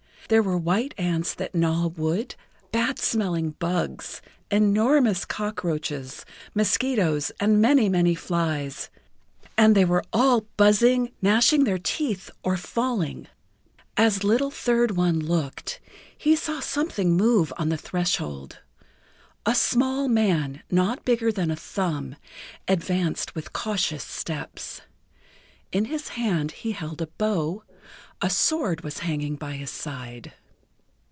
There were white ants that gnaw wood, bad smelling bugs, enormous cockroaches, mosquitoes, and many many flies. And they were all buzzing, gnashing their teeth, or falling. As Little Third One looked, he saw something move on the threshold. A small man, not bigger than a thumb, advanced with cautious steps. In his hand he held a bow; a sword was hanging by his side.